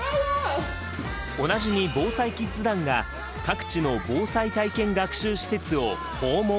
キッズ団が各地の防災体験学習施設を訪問。